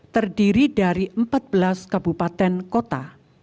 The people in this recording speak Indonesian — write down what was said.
terdiri dari empat belas kabupaten kota